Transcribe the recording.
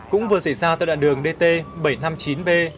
cũng vừa xảy ra tại đoạn đường dt bảy trăm năm mươi chín b